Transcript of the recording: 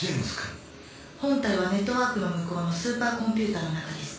本体はネットワークの向こうのスーパーコンピューターの中です。